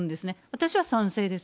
私は賛成です。